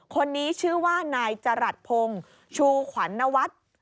คนนี้ชื่อว่านายจรัสพงศ์ชูขวัญนวัฒน์